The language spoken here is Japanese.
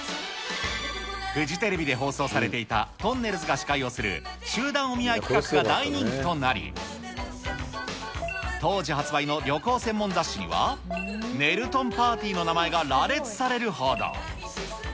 フジテレビで放送されていた、とんねるずが司会をする集団お見合い企画が大人気となり、当時発売の旅行専門雑誌には、ねるとんパーティーの名前が羅列されるほど。